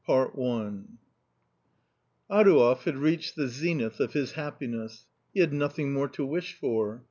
Adouev had reached the zenith of his happiness. He had nothing more to wish for.